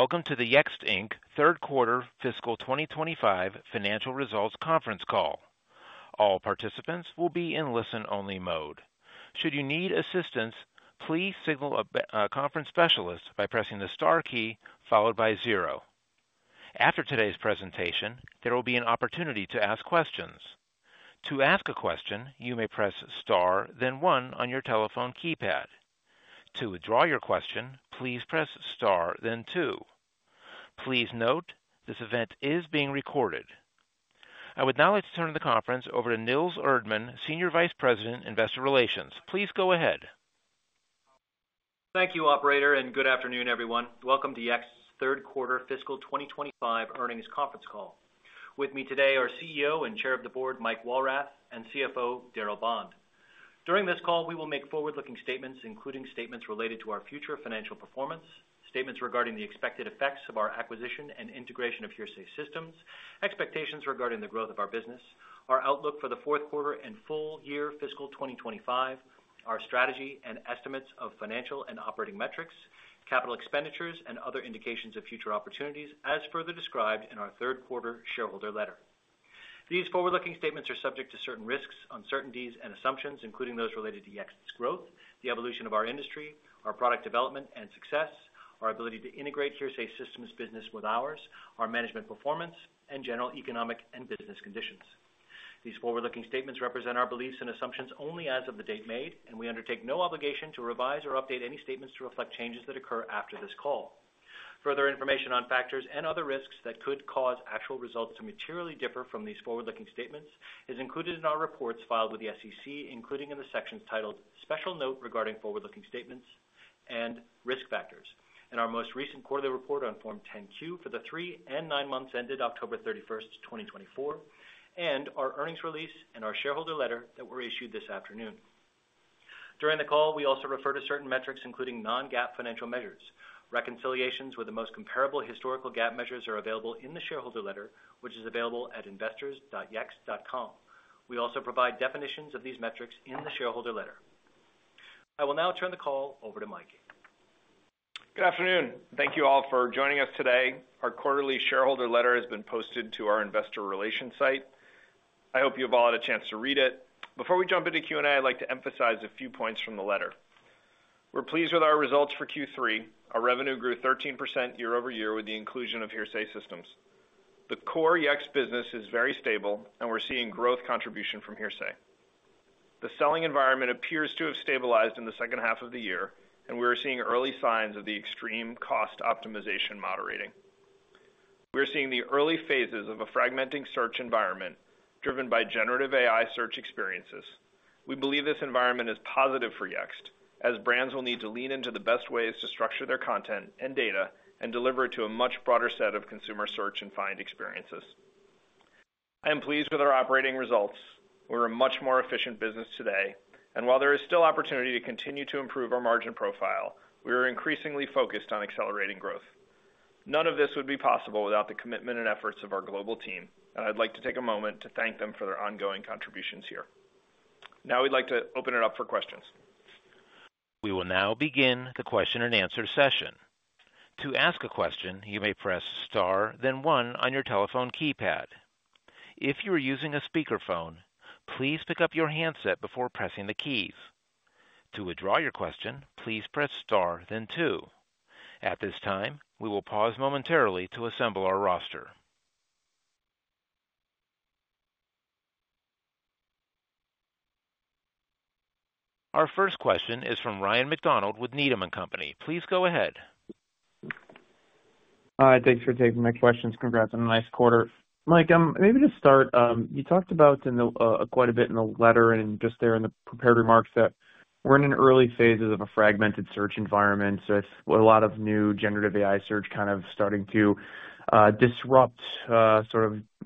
Welcome to the Yext Inc. third quarter fiscal 2025 financial results conference call. All participants will be in listen-only mode. Should you need assistance, please signal a conference specialist by pressing the star key followed by zero. After today's presentation, there will be an opportunity to ask questions. To ask a question, you may press star, then one on your telephone keypad. To withdraw your question, please press star, then two. Please note, this event is being recorded. I would now like to turn the conference over to Nils Erdmann, Senior Vice President, Investor Relations. Please go ahead. Thank you, Operator, and good afternoon, everyone. Welcome to Yext's third quarter fiscal 2025 earnings conference call. With me today are CEO and Chair of the Board, Mike Walrath, and CFO, Darryl Bond. During this call, we will make forward-looking statements, including statements related to our future financial performance, statements regarding the expected effects of our acquisition and integration of Hearsay Systems, expectations regarding the growth of our business, our outlook for the fourth quarter and full year fiscal 2025, our strategy and estimates of financial and operating metrics, capital expenditures, and other indications of future opportunities, as further described in our third quarter shareholder letter. These forward-looking statements are subject to certain risks, uncertainties, and assumptions, including those related to Yext's growth, the evolution of our industry, our product development and success, our ability to integrate Hearsay Systems' business with ours, our management performance, and general economic and business conditions. These forward-looking statements represent our beliefs and assumptions only as of the date made, and we undertake no obligation to revise or update any statements to reflect changes that occur after this call. Further information on factors and other risks that could cause actual results to materially differ from these forward-looking statements is included in our reports filed with the SEC, including in the sections titled "Special Note Regarding Forward-Looking Statements" and "Risk Factors," and our most recent quarterly report on Form 10-Q for the three and nine months ended October 31st, 2024, and our earnings release and our shareholder letter that were issued this afternoon. During the call, we also refer to certain metrics, including non-GAAP financial measures. Reconciliations with the most comparable historical GAAP measures are available in the shareholder letter, which is available at investors.yext.com. We also provide definitions of these metrics in the shareholder letter. I will now turn the call over to Mike. Good afternoon. Thank you all for joining us today. Our quarterly shareholder letter has been posted to our investor relations site. I hope you've all had a chance to read it. Before we jump into Q&A, I'd like to emphasize a few points from the letter. We're pleased with our results for Q3. Our revenue grew 13% year over year with the inclusion of Hearsay Systems. The core Yext business is very stable, and we're seeing growth contribution from Hearsay. The selling environment appears to have stabilized in the second half of the year, and we are seeing early signs of the extreme cost optimization moderating. We are seeing the early phases of a fragmenting search environment driven by generative AI search experiences. We believe this environment is positive for Yext, as brands will need to lean into the best ways to structure their content and data and deliver it to a much broader set of consumer search and find experiences. I am pleased with our operating results. We're a much more efficient business today, and while there is still opportunity to continue to improve our margin profile, we are increasingly focused on accelerating growth. None of this would be possible without the commitment and efforts of our global team, and I'd like to take a moment to thank them for their ongoing contributions here. Now we'd like to open it up for questions. We will now begin the question-and-answer session. To ask a question, you may press star, then one on your telephone keypad. If you are using a speakerphone, please pick up your handset before pressing the keys. To withdraw your question, please press star, then two. At this time, we will pause momentarily to assemble our roster. Our first question is from Ryan MacDonald with Needham & Company. Please go ahead. Hi. Thanks for taking my questions. Congrats on a nice quarter. Mike, maybe to start, you talked about quite a bit in the letter and just there in the prepared remarks that we're in an early phase of a fragmented search environment, with a lot of new generative AI search kind of starting to disrupt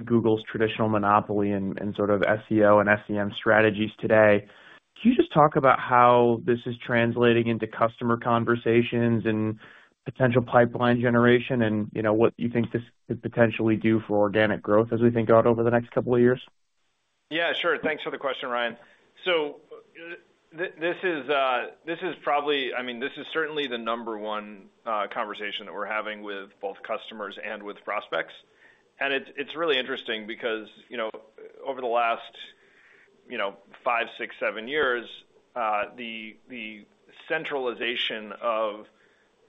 Google's traditional monopoly and sort of SEO and SEM strategies today. Can you just talk about how this is translating into customer conversations and potential pipeline generation and what you think this could potentially do for organic growth as we think about over the next couple of years? Yeah, sure. Thanks for the question, Ryan. So this is probably, I mean, this is certainly the number one conversation that we're having with both customers and with prospects, and it's really interesting because over the last five, six, seven years, the centralization of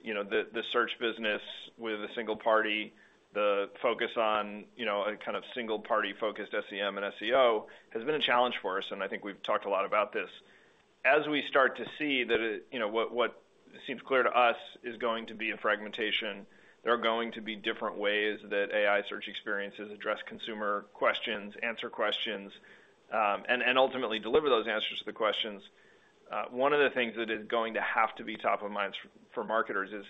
the search business with a single party, the focus on a kind of single party focused SEM and SEO has been a challenge for us, and I think we've talked a lot about this. As we start to see that what seems clear to us is going to be a fragmentation, there are going to be different ways that AI search experiences address consumer questions, answer questions, and ultimately deliver those answers to the questions. One of the things that is going to have to be top of mind for marketers is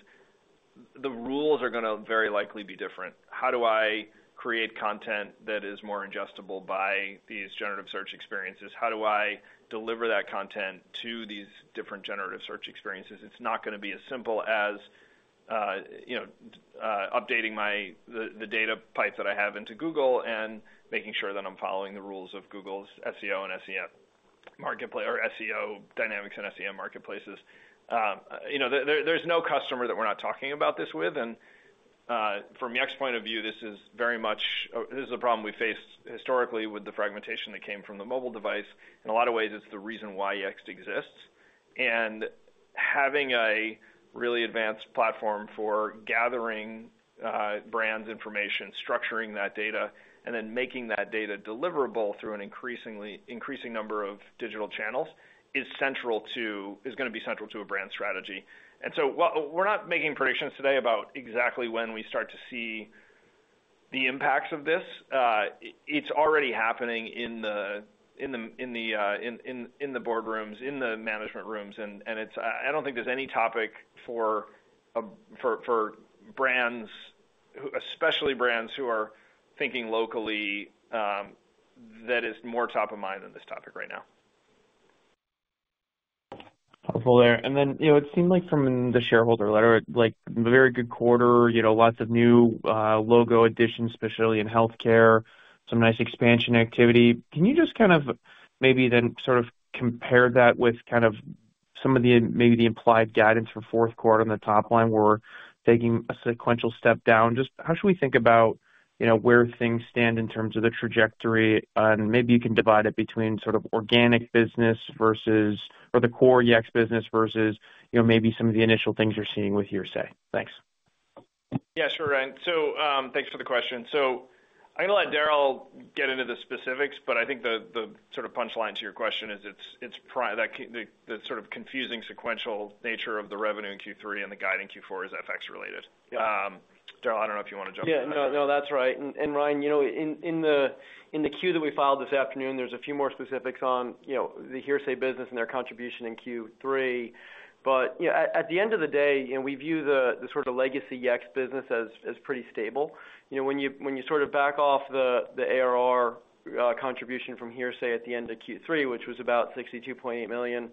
the rules are going to very likely be different. How do I create content that is more ingestible by these generative search experiences? How do I deliver that content to these different generative search experiences? It's not going to be as simple as updating the data pipe that I have into Google and making sure that I'm following the rules of Google's SEO and SEM marketplace or SEO dynamics and SEM marketplaces. There's no customer that we're not talking about this with, and from Yext's point of view, this is very much a problem we faced historically with the fragmentation that came from the mobile device. In a lot of ways, it's the reason why Yext exists, and having a really advanced platform for gathering brands' information, structuring that data, and then making that data deliverable through an increasing number of digital channels is central to, is going to be central to a brand strategy. And so we're not making predictions today about exactly when we start to see the impacts of this. It's already happening in the boardrooms, in the management rooms. And I don't think there's any topic for brands, especially brands who are thinking locally, that is more top of mind than this topic right now. Powerful there. And then it seemed like from the shareholder letter, like a very good quarter, lots of new logo additions, especially in healthcare, some nice expansion activity. Can you just kind of maybe then sort of compare that with kind of some of the maybe the implied guidance for fourth quarter on the top line where we're taking a sequential step down? Just how should we think about where things stand in terms of the trajectory? And maybe you can divide it between sort of organic business versus or the core Yext business versus maybe some of the initial things you're seeing with Hearsay. Thanks. Yeah, sure, Ryan. So thanks for the question. So I'm going to let Darryl get into the specifics, but I think the sort of punchline to your question is it's that sort of confusing sequential nature of the revenue in Q3 and the guide in Q4 is FX-related. Darryl, I don't know if you want to jump in. Yeah, no, that's right. And Ryan, in the Q that we filed this afternoon, there's a few more specifics on the Hearsay business and their contribution in Q3. But at the end of the day, we view the sort of legacy Yext business as pretty stable. When you sort of back off the ARR contribution from Hearsay at the end of Q3, which was about $62.8 million,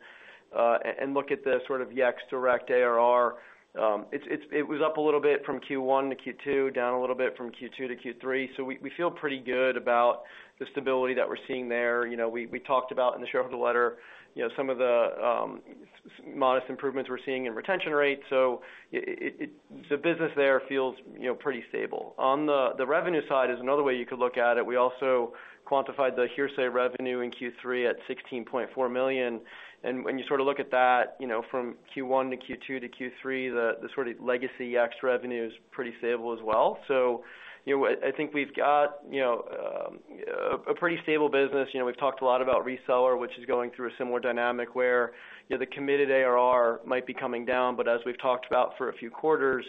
and look at the sort of Yext direct ARR, it was up a little bit from Q1 to Q2, down a little bit from Q2 to Q3. So we feel pretty good about the stability that we're seeing there. We talked about in the shareholder letter some of the modest improvements we're seeing in retention rate. So the business there feels pretty stable. On the revenue side is another way you could look at it. We also quantified the Hearsay revenue in Q3 at $16.4 million. And when you sort of look at that from Q1 to Q2 to Q3, the sort of legacy Yext revenue is pretty stable as well. So I think we've got a pretty stable business. We've talked a lot about reseller, which is going through a similar dynamic where the committed ARR might be coming down. But as we've talked about for a few quarters,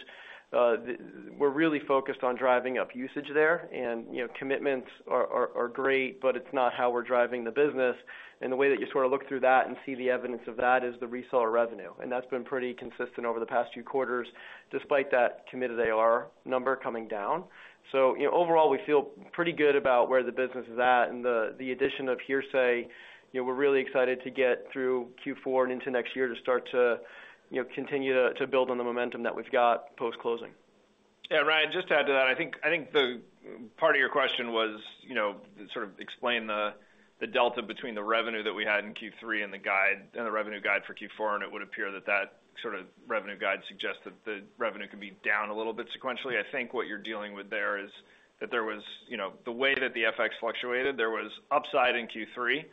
we're really focused on driving up usage there. And commitments are great, but it's not how we're driving the business. And the way that you sort of look through that and see the evidence of that is the reseller revenue. And that's been pretty consistent over the past few quarters, despite that committed ARR number coming down. So overall, we feel pretty good about where the business is at. And the addition of Hearsay, we're really excited to get through Q4 and into next year to start to continue to build on the momentum that we've got post-closing. Yeah, Ryan, just to add to that, I think part of your question was sort of explain the delta between the revenue that we had in Q3 and the revenue guide for Q4, and it would appear that that sort of revenue guide suggests that the revenue could be down a little bit sequentially. I think what you're dealing with there is that there was the way that the FX fluctuated, there was upside in Q3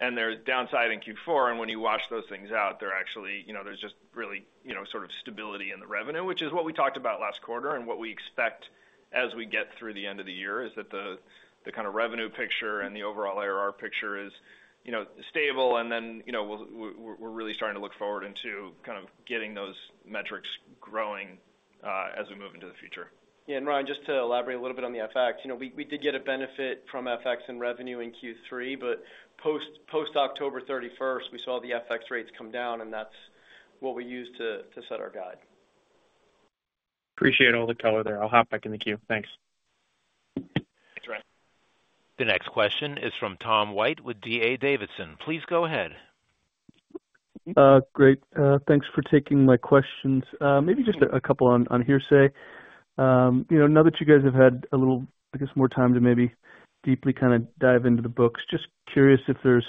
and there was downside in Q4, and when you wash those things out, there actually there's just really sort of stability in the revenue, which is what we talked about last quarter, and what we expect as we get through the end of the year is that the kind of revenue picture and the overall ARR picture is stable. We're really starting to look forward into kind of getting those metrics growing as we move into the future. Yeah, and Ryan, just to elaborate a little bit on the FX, we did get a benefit from FX and revenue in Q3, but post-October 31st, we saw the FX rates come down, and that's what we use to set our guide. Appreciate all the color there. I'll hop back in the queue. Thanks. Thanks, Ryan. The next question is from Tom White with D.A. Davidson. Please go ahead. Great. Thanks for taking my questions. Maybe just a couple on Hearsay. Now that you guys have had a little, I guess, more time to maybe deeply kind of dive into the books, just curious if there's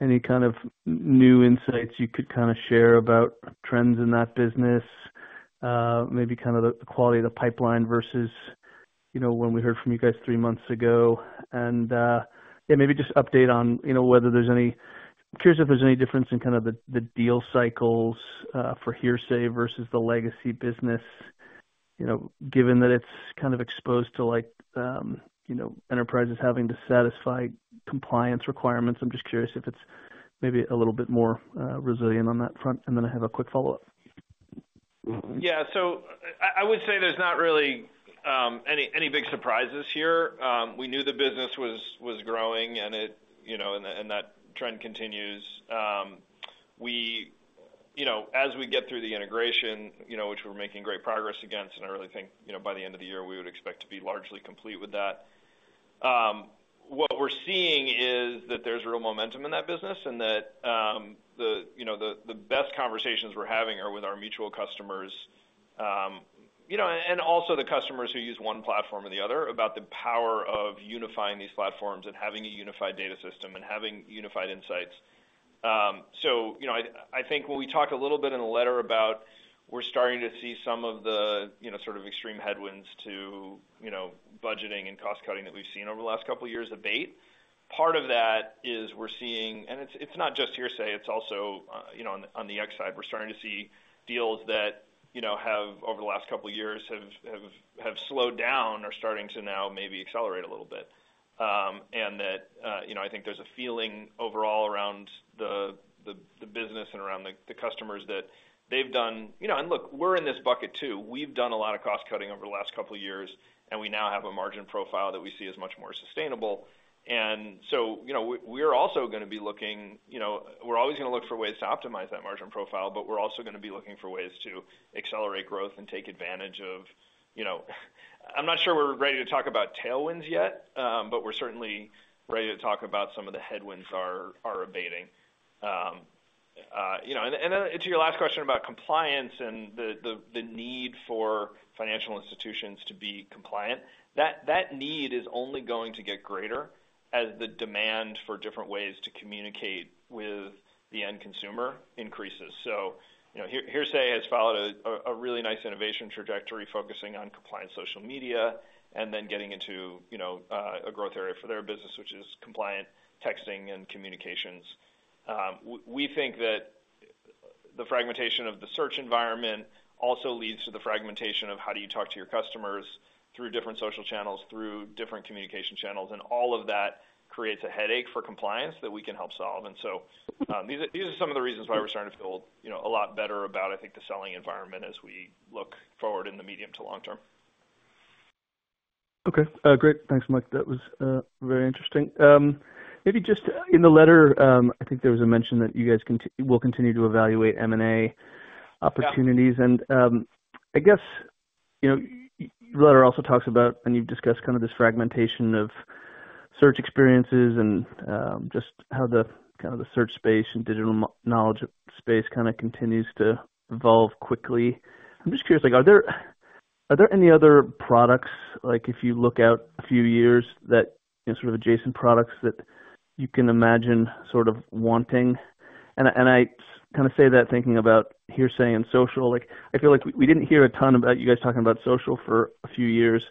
any kind of new insights you could kind of share about trends in that business, maybe kind of the quality of the pipeline versus when we heard from you guys three months ago, and yeah, maybe just update on whether there's any. Curious if there's any difference in kind of the deal cycles for Hearsay versus the legacy business, given that it's kind of exposed to enterprises having to satisfy compliance requirements. I'm just curious if it's maybe a little bit more resilient on that front, and then I have a quick follow-up. Yeah. So I would say there's not really any big surprises here. We knew the business was growing, and that trend continues. As we get through the integration, which we're making great progress against, and I really think by the end of the year, we would expect to be largely complete with that. What we're seeing is that there's real momentum in that business and that the best conversations we're having are with our mutual customers and also the customers who use one platform or the other about the power of unifying these platforms and having a unified data system and having unified insights. So I think when we talked a little bit in the letter about we're starting to see some of the sort of extreme headwinds to budgeting and cost cutting that we've seen over the last couple of years abate. Part of that is we're seeing, and it's not just Hearsay, it's also on the Yext side. We're starting to see deals that have, over the last couple of years, have slowed down or starting to now maybe accelerate a little bit. And that I think there's a feeling overall around the business and around the customers that they've done, and look, we're in this bucket too. We've done a lot of cost cutting over the last couple of years, and we now have a margin profile that we see as much more sustainable. And so we're also going to be looking. We're always going to look for ways to optimize that margin profile, but we're also going to be looking for ways to accelerate growth and take advantage of. I'm not sure we're ready to talk about tailwinds yet, but we're certainly ready to talk about some of the headwinds that are abating. And to your last question about compliance and the need for financial institutions to be compliant, that need is only going to get greater as the demand for different ways to communicate with the end consumer increases. So Hearsay has followed a really nice innovation trajectory focusing on compliant social media and then getting into a growth area for their business, which is compliant texting and communications. We think that the fragmentation of the search environment also leads to the fragmentation of how do you talk to your customers through different social channels, through different communication channels. And all of that creates a headache for compliance that we can help solve. And so these are some of the reasons why we're starting to feel a lot better about, I think, the selling environment as we look forward in the medium to long term. Okay. Great. Thanks, Mike. That was very interesting. Maybe just in the letter, I think there was a mention that you guys will continue to evaluate M&A opportunities, and I guess the letter also talks about, and you've discussed kind of this fragmentation of search experiences and just how the kind of the search space and digital knowledge space kind of continues to evolve quickly. I'm just curious, are there any other products, like if you look out a few years, that sort of adjacent products that you can imagine sort of wanting? And I kind of say that thinking about Hearsay and social. I feel like we didn't hear a ton about you guys talking about social for a few years,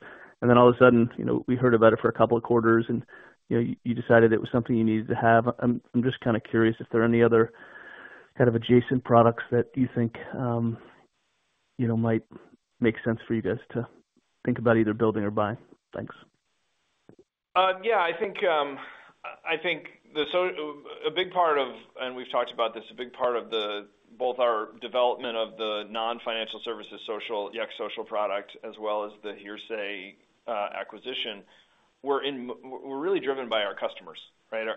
and then all of a sudden, we heard about it for a couple of quarters, and you decided it was something you needed to have. I'm just kind of curious if there are any other kind of adjacent products that you think might make sense for you guys to think about either building or buying? Thanks. Yeah. I think a big part of, and we've talked about this, a big part of both our development of the non-financial services social, Yext Social product, as well as the Hearsay acquisition, we're really driven by our customers, right?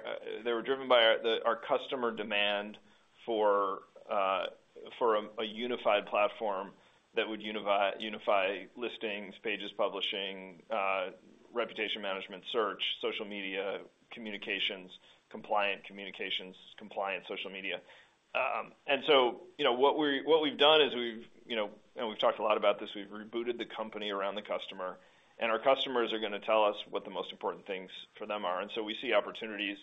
They were driven by our customer demand for a unified platform that would unify listings, pages, publishing, reputation management, search, social media, communications, compliant communications, compliant social media, and so what we've done is we've, and we've talked a lot about this, we've rebooted the company around the customer, and our customers are going to tell us what the most important things for them are, and so we see opportunities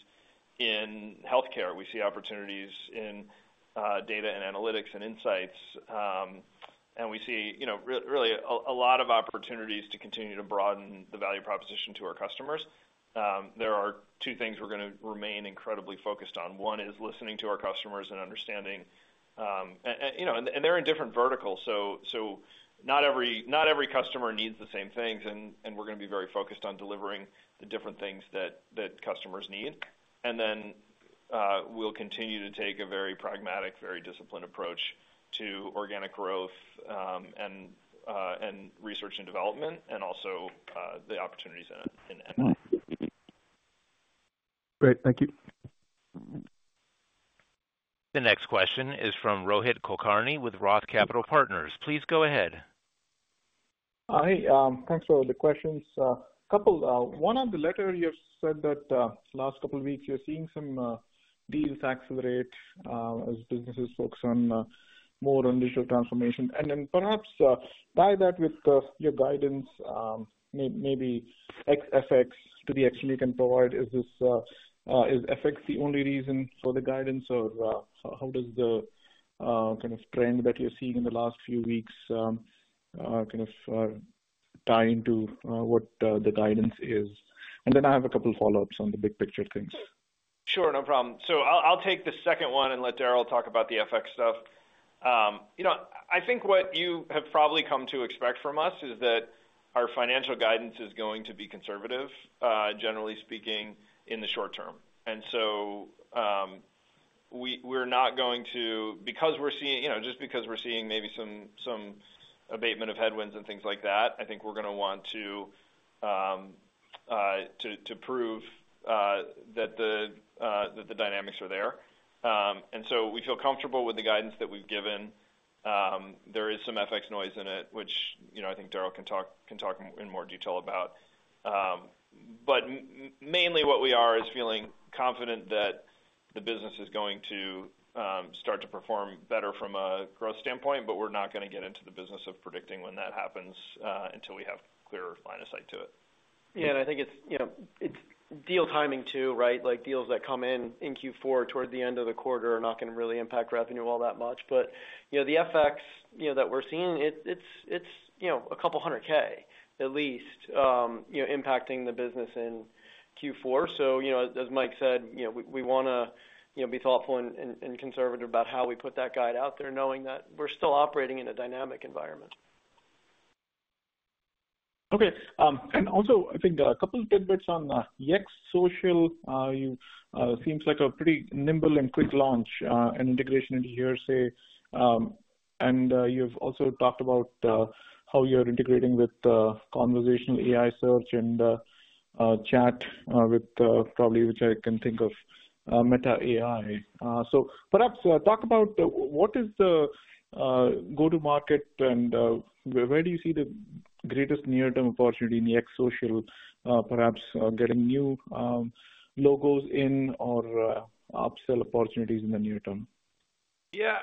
in healthcare. We see opportunities in data and analytics and insights. And we see really a lot of opportunities to continue to broaden the value proposition to our customers. There are two things we're going to remain incredibly focused on. One is listening to our customers and understanding. And they're in different verticals. So not every customer needs the same things. And we're going to be very focused on delivering the different things that customers need. And then we'll continue to take a very pragmatic, very disciplined approach to organic growth and research and development, and also the opportunities in M&A. Great. Thank you. The next question is from Rohit Kulkarni with Roth Capital Partners. Please go ahead. Hi. Thanks for the questions. One on the letter, you have said that last couple of weeks, you're seeing some deals accelerate as businesses focus more on digital transformation, and then perhaps tie that with your guidance, maybe FX to the extent you can provide. Is FX the only reason for the guidance, or how does the kind of trend that you're seeing in the last few weeks kind of tie into what the guidance is, and then I have a couple of follow-ups on the big picture things. Sure. No problem. So I'll take the second one and let Darryl talk about the FX stuff. I think what you have probably come to expect from us is that our financial guidance is going to be conservative, generally speaking, in the short term. And so we're not going to, because we're seeing, just because we're seeing maybe some abatement of headwinds and things like that, I think we're going to want to prove that the dynamics are there. And so we feel comfortable with the guidance that we've given. There is some FX noise in it, which I think Darryl can talk in more detail about. But mainly what we are is feeling confident that the business is going to start to perform better from a growth standpoint, but we're not going to get into the business of predicting when that happens until we have clearer line of sight to it. Yeah, and I think it's deal timing too, right? Deals that come in Q4 toward the end of the quarter are not going to really impact revenue all that much. But the FX that we're seeing, it's $200K, at least, impacting the business in Q4. So, as Mike said, we want to be thoughtful and conservative about how we put that guide out there, knowing that we're still operating in a dynamic environment. Okay. And also, I think a couple of tidbits on Yext Social. It seems like a pretty nimble and quick launch and integration into Hearsay. And you've also talked about how you're integrating with conversational AI search and chat with probably which I can think of, Meta AI. So perhaps talk about what is the go-to-market and where do you see the greatest near-term opportunity in Yext Social, perhaps getting new logos in or upsell opportunities in the near term? Yeah.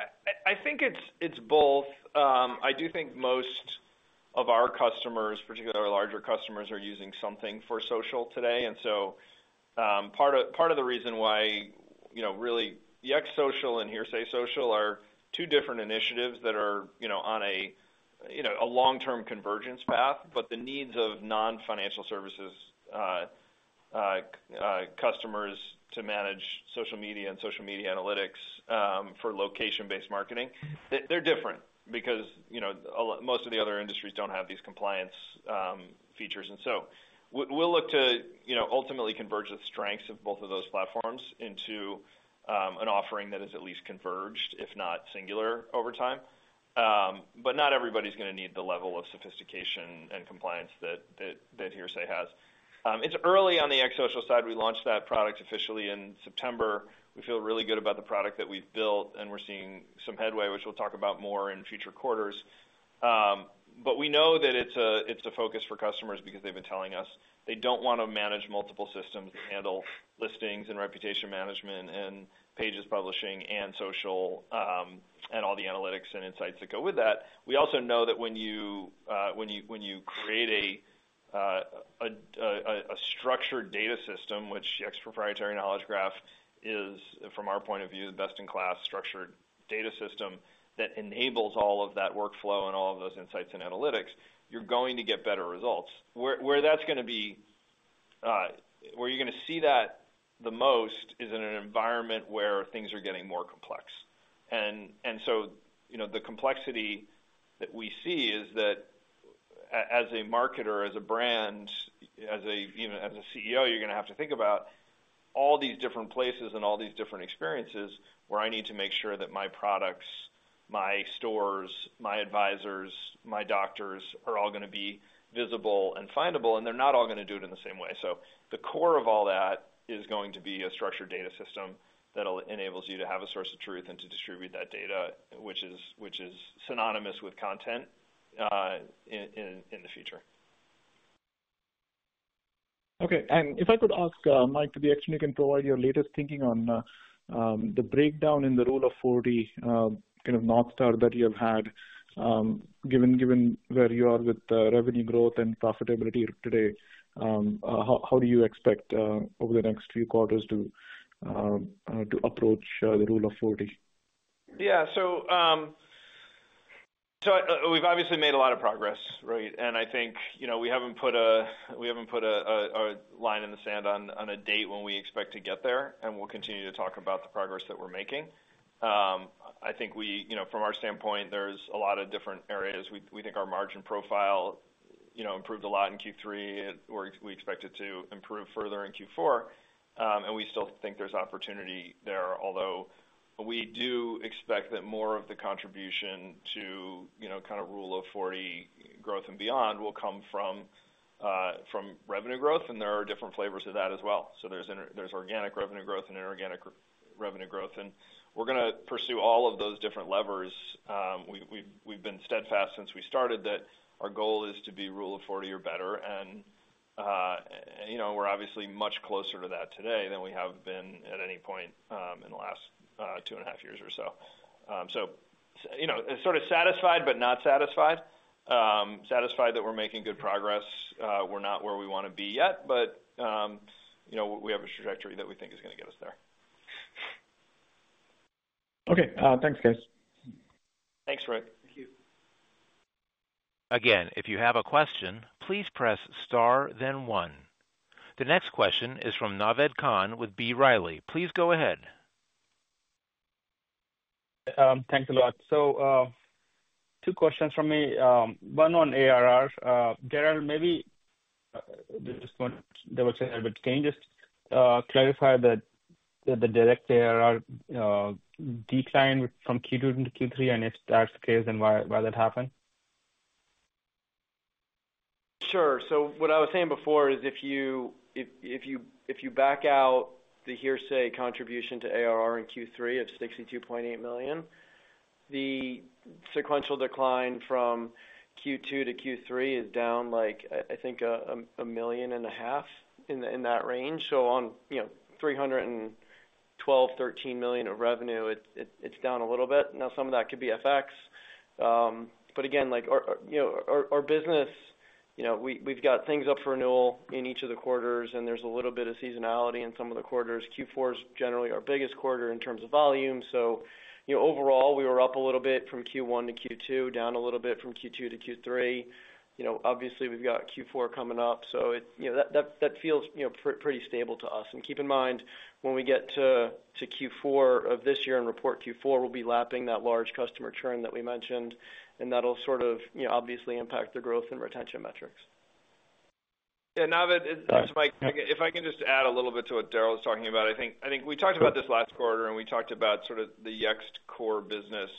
I think it's both. I do think most of our customers, particularly our larger customers, are using something for social today. And so part of the reason why really Yext Social and Hearsay Social are two different initiatives that are on a long-term convergence path, but the needs of non-financial services customers to manage social media and social media analytics for location-based marketing, they're different because most of the other industries don't have these compliance features. And so we'll look to ultimately converge the strengths of both of those platforms into an offering that is at least converged, if not singular over time. But not everybody's going to need the level of sophistication and compliance that Hearsay has. It's early on the Yext Social side. We launched that product officially in September. We feel really good about the product that we've built, and we're seeing some headway, which we'll talk about more in future quarters. But we know that it's a focus for customers because they've been telling us they don't want to manage multiple systems that handle listings and reputation management and pages publishing and social and all the analytics and insights that go with that. We also know that when you create a structured data system, which Yext's proprietary Knowledge Graph is, from our point of view, the best in class structured data system that enables all of that workflow and all of those insights and analytics, you're going to get better results. Where that's going to be, where you're going to see that the most is in an environment where things are getting more complex. And so the complexity that we see is that as a marketer, as a brand, as a CEO, you're going to have to think about all these different places and all these different experiences where I need to make sure that my products, my stores, my advisors, my doctors are all going to be visible and findable, and they're not all going to do it in the same way. So the core of all that is going to be a structured data system that enables you to have a source of truth and to distribute that data, which is synonymous with content in the future. Okay, and if I could ask Mike to the extent you can provide your latest thinking on the breakdown in the Rule of 40 kind of North Star that you have had, given where you are with revenue growth and profitability today, how do you expect over the next few quarters to approach the Rule of 40? Yeah. So we've obviously made a lot of progress, right? And I think we haven't put a line in the sand on a date when we expect to get there, and we'll continue to talk about the progress that we're making. I think from our standpoint, there's a lot of different areas. We think our margin profile improved a lot in Q3. We expect it to improve further in Q4. And we still think there's opportunity there, although we do expect that more of the contribution to kind of Rule of 40 growth and beyond will come from revenue growth, and there are different flavors of that as well. So there's organic revenue growth and inorganic revenue growth. And we're going to pursue all of those different levers. We've been steadfast since we started that our goal is to be Rule of 40 or better. And we're obviously much closer to that today than we have been at any point in the last two and a half years or so. So sort of satisfied, but not satisfied. Satisfied that we're making good progress. We're not where we want to be yet, but we have a trajectory that we think is going to get us there. Okay. Thanks, guys. Thanks, Rohit. Thank you. Again, if you have a question, please press star, then one. The next question is from Naved Khan with B. Riley. Please go ahead. Thanks a lot. So two questions for me. One on ARR. Darryl, maybe just want to double-check a little bit. Can you just clarify that the direct ARR declined from Q2 into Q3? And if that's the case, then why that happened? Sure. So what I was saying before is if you back out the Hearsay contribution to ARR in Q3 of $62.8 million, the sequential decline from Q2 to Q3 is down, I think, 1.5 million in that range. So on $312.13 million of revenue, it's down a little bit. Now, some of that could be FX. But again, our business, we've got things up for renewal in each of the quarters, and there's a little bit of seasonality in some of the quarters. Q4 is generally our biggest quarter in terms of volume. So overall, we were up a little bit from Q1 to Q2, down a little bit from Q2 to Q3. Obviously, we've got Q4 coming up. So that feels pretty stable to us. Keep in mind, when we get to Q4 of this year and report Q4, we'll be lapping that large customer churn that we mentioned, and that'll sort of obviously impact the growth and retention metrics. Yeah. Naved, it's Mike. If I can just add a little bit to what Darryl was talking about. I think we talked about this last quarter, and we talked about sort of the Yext core business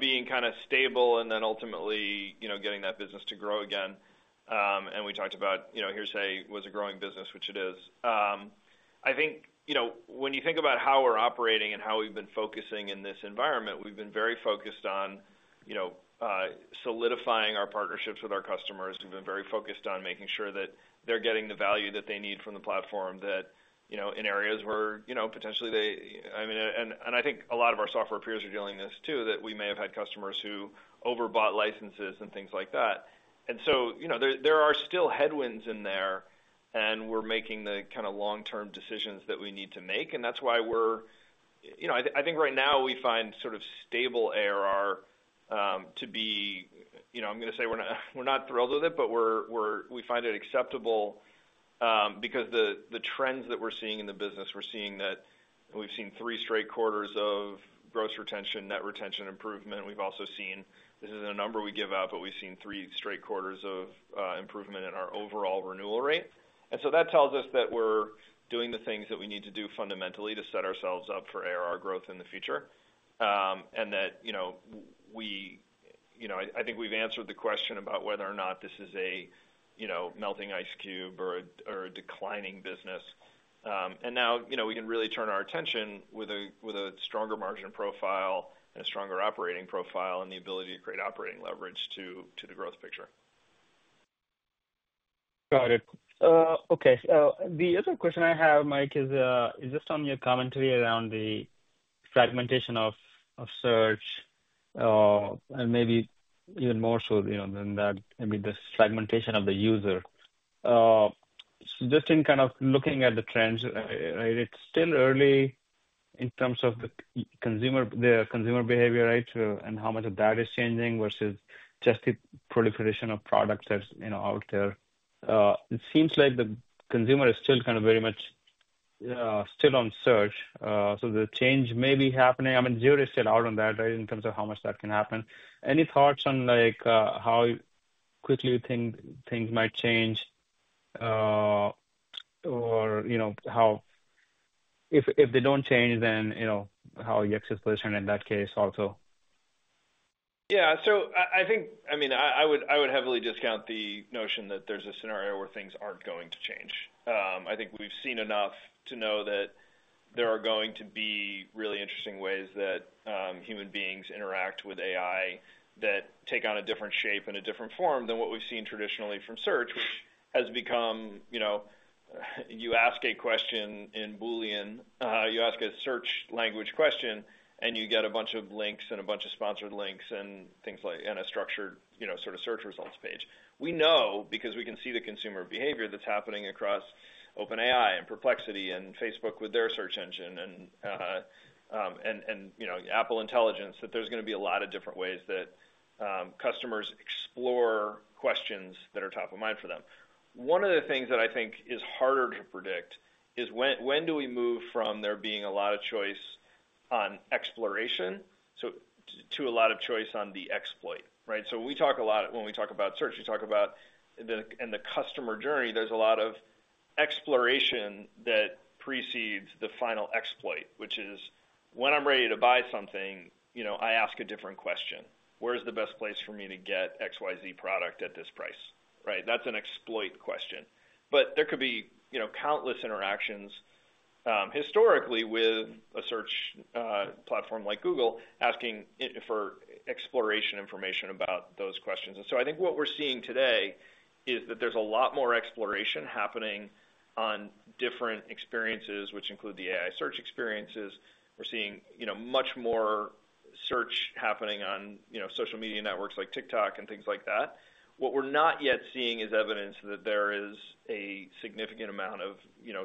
being kind of stable and then ultimately getting that business to grow again. And we talked about Hearsay was a growing business, which it is. I think when you think about how we're operating and how we've been focusing in this environment, we've been very focused on solidifying our partnerships with our customers. We've been very focused on making sure that they're getting the value that they need from the platform in areas where potentially they - I mean, and I think a lot of our software peers are dealing with this too, that we may have had customers who overbought licenses and things like that. And so there are still headwinds in there, and we're making the kind of long-term decisions that we need to make. And that's why we're - I think right now we find sort of stable ARR to be - I'm going to say we're not thrilled with it, but we find it acceptable because the trends that we're seeing in the business, we're seeing that we've seen three straight quarters of gross retention, net retention improvement. We've also seen - this isn't a number we give out, but we've seen three straight quarters of improvement in our overall renewal rate. And so that tells us that we're doing the things that we need to do fundamentally to set ourselves up for ARR growth in the future and that we, I think we've answered the question about whether or not this is a melting ice cube or a declining business. And now we can really turn our attention with a stronger margin profile and a stronger operating profile and the ability to create operating leverage to the growth picture. Got it. Okay. The other question I have, Mike, is just on your commentary around the fragmentation of search and maybe even more so than that, I mean, the fragmentation of the user. Just in kind of looking at the trends, right, it's still early in terms of the consumer behavior, right, and how much of that is changing versus just the proliferation of products that's out there. It seems like the consumer is still kind of very much still on search. So the change may be happening. I mean, the jury is still out on that, right, in terms of how much that can happen. Any thoughts on how quickly you think things might change or how, if they don't change, then how Yext is positioned in that case also? Yeah, so I think, I mean, I would heavily discount the notion that there's a scenario where things aren't going to change. I think we've seen enough to know that there are going to be really interesting ways that human beings interact with AI that take on a different shape and a different form than what we've seen traditionally from search, which has become you ask a question in Boolean, you ask a search language question, and you get a bunch of links and a bunch of sponsored links and things like and a structured sort of search results page. We know because we can see the consumer behavior that's happening across OpenAI and Perplexity and Facebook with their search engine and Apple Intelligence that there's going to be a lot of different ways that customers explore questions that are top of mind for them. One of the things that I think is harder to predict is when do we move from there being a lot of choice on exploration to a lot of choice on the exploit, right? So when we talk about search, we talk about in the customer journey, there's a lot of exploration that precedes the final exploit, which is when I'm ready to buy something, I ask a different question. Where's the best place for me to get XYZ product at this price? Right? That's an exploit question. But there could be countless interactions historically with a search platform like Google asking for exploration information about those questions. And so I think what we're seeing today is that there's a lot more exploration happening on different experiences, which include the AI search experiences. We're seeing much more search happening on social media networks like TikTok and things like that. What we're not yet seeing is evidence that there is a significant amount of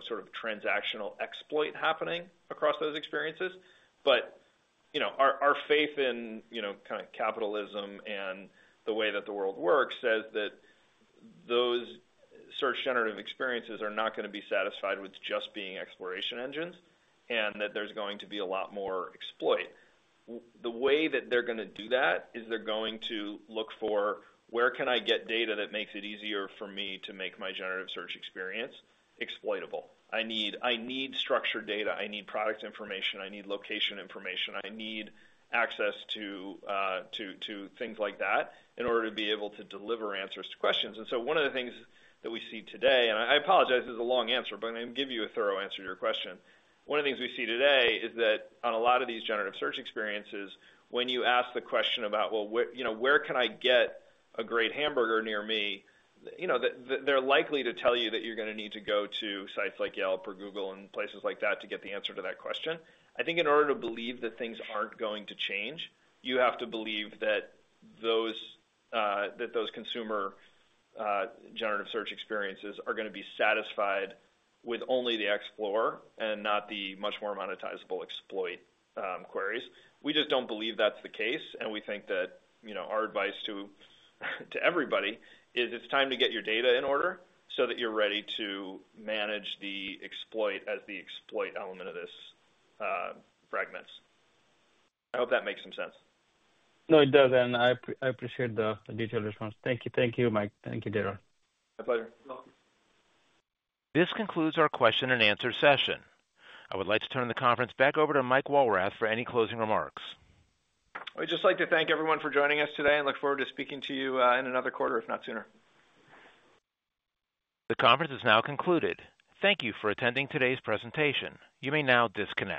sort of transactional exploit happening across those experiences. But our faith in kind of capitalism and the way that the world works says that those search generative experiences are not going to be satisfied with just being exploration engines and that there's going to be a lot more exploit. The way that they're going to do that is they're going to look for where can I get data that makes it easier for me to make my generative search experience exploitable. I need structured data. I need product information. I need location information. I need access to things like that in order to be able to deliver answers to questions. And so one of the things that we see today, and I apologize, this is a long answer, but I'm going to give you a thorough answer to your question. One of the things we see today is that on a lot of these generative search experiences, when you ask the question about, "Well, where can I get a great hamburger near me?" they're likely to tell you that you're going to need to go to sites like Yelp or Google and places like that to get the answer to that question. I think in order to believe that things aren't going to change, you have to believe that those consumer generative search experiences are going to be satisfied with only the explore and not the much more monetizable exploit queries. We just don't believe that's the case, and we think that our advice to everybody is it's time to get your data in order so that you're ready to manage the explosion as the explosive element of this fragmentation. I hope that makes some sense. No, it does. And I appreciate the detailed response. Thank you. Thank you, Mike. Thank you, Darryl. My pleasure. This concludes our question-and-answer session. I would like to turn the conference back over to Mike Walrath for any closing remarks. I would just like to thank everyone for joining us today and look forward to speaking to you in another quarter, if not sooner. The conference is now concluded. Thank you for attending today's presentation. You may now disconnect.